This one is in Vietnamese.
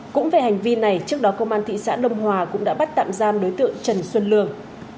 cũng về hành vi này trước đó công an thị xã đông hòa cũng đã bắt tạm giam đối tượng trần xuân lương